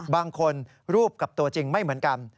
รูปกับตัวจริงไม่เหมือนกัน